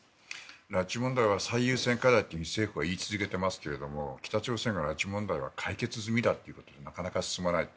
拉致問題は最優先課題と政府は言い続けていますが北朝鮮が拉致問題は解決済みだということでなかなか進まない。